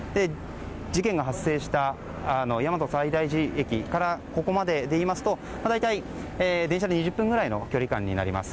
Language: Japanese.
事件が発生した大和西大寺駅からここまででいいますと大体、電車で２０分くらいの距離感になります。